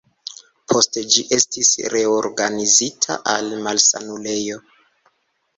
Poste ĝi estis reorganizita al malsanulejo.